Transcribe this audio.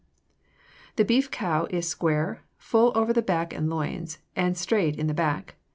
The beef cow is square, full over the back and loins, and straight in the back.